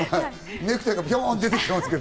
ネクタイがピョンって出てきてますけど。